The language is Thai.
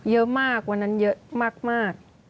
เยอะมากวันนั้นเยอะมาก